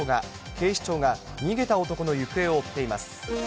警視庁が逃げた男の行方を追っています。